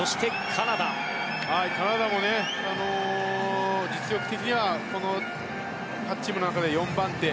カナダも実力的にはこの８チームの中で４番手。